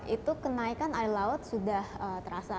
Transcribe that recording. itu kenaikan air laut sudah terasa